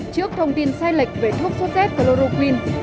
trước thông tin sai lệch về thuốc sốt z chloroquine